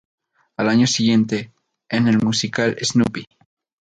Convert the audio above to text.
Al año siguiente, en el musical "Snoopy!